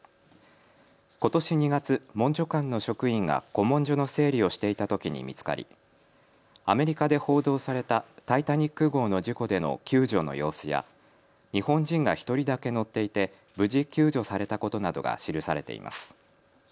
ことし２月、文書館の職員が古文書の整理をしていたときに見つかり、アメリカで報道されたタイタニック号の事故での救助の様子や日本人が１人だけ乗っていて無事救助されたことなどが記されています。